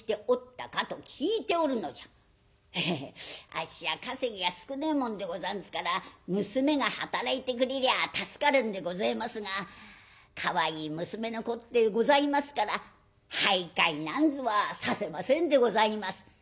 「ヘヘあっしは稼ぎが少ねえもんでござんすから娘が働いてくれりゃあ助かるんでごぜえますがかわいい娘のこってえございますから灰買なんぞはさせませんでございます」。